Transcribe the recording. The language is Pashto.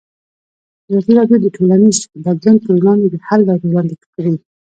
ازادي راډیو د ټولنیز بدلون پر وړاندې د حل لارې وړاندې کړي.